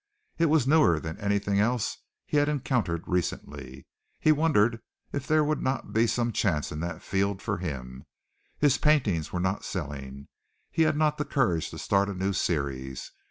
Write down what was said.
It was newer than anything else he had encountered recently. He wondered if there would not be some chance in that field for him. His paintings were not selling. He had not the courage to start a new series.